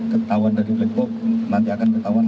ketahuan dari blackbook nanti akan ketahuan